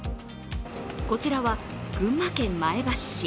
こちらは群馬県前橋市